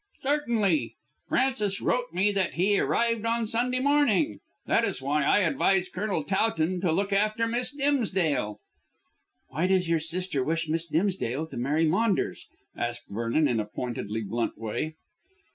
"Certainly. Frances wrote me that he arrived on Sunday morning. That is why I advise Colonel Towton to look after Miss Dimsdale." "Why does your sister wish Miss Dimsdale to marry Maunders?" asked Vernon in a pointedly blunt way.